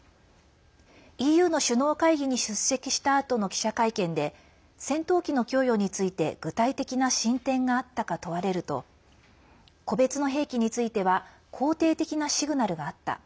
ＥＵの首脳会議に出席したあとの記者会見で戦闘機の供与について具体的な進展があったか問われると個別の兵器については肯定的なシグナルがあった。